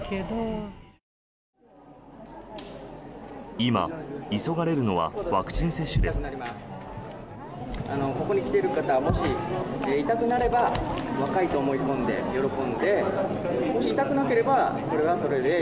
今、急がれるのはワクチン接種です。